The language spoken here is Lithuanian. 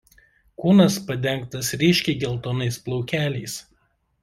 Kūnas padengtas ryškiai geltonais plaukeliais.